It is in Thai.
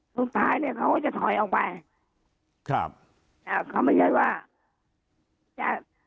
สุดท้ายเนี้ยเขาก็จะถอยออกไปครับอ่าเขาไม่ใช่ว่าจะ